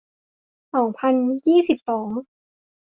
สองพันยี่สิบสอง